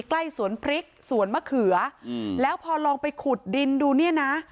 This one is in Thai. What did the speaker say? ใกล้สวนพริกสวนมะเขืออืมแล้วพอลองไปขุดดินดูเนี่ยนะ